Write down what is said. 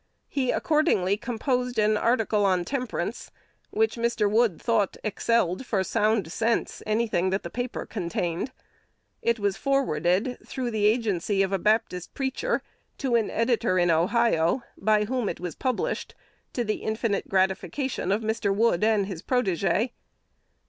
He accordingly composed an article on temperance, which Mr. Wood thought "excelled, for sound sense, any thing that the paper contained." It was forwarded, through the agency of a Baptist preacher, to an editor in Ohio, by whom it was published, to the infinite gratification of Mr. Wood and his protégé.